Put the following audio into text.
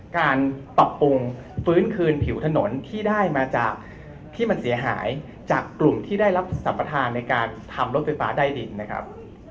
การปรับปรุงฟื้นคืนผิวถนนที่ได้มาจากที่มันเสียหายจากกลุ่มที่ได้รับสรรปทานในการทำรถไฟฟ้าใต้ดินนะครับ